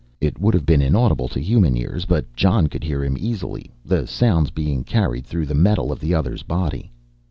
It would have been inaudible to human ears, but Jon could hear him easily, the sounds being carried through the metal of the other's body.